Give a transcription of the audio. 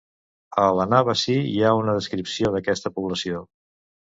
A l'Anàbasi hi ha una descripció d'aquesta població.